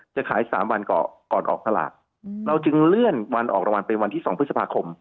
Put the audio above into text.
จะขาย๓วันก่อนก่อนออกสลากเราจึงเลื่อนวันออกรางวัลเป็นวันที่๒พฤษภาคม